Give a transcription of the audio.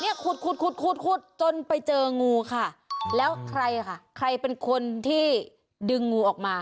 ขุดขุดขุดขุดจนไปเจองูค่ะแล้วใครค่ะใครเป็นคนที่ดึงงูออกมา